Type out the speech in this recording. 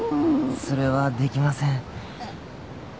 それはできません。